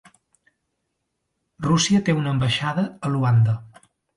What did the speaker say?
Rússia té una ambaixada a Luanda.